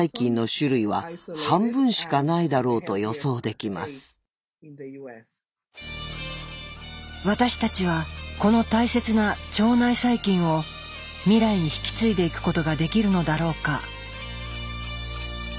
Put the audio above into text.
ここにある私たちはこの大切な腸内細菌を未来に引き継いでいくことができるのだろうか。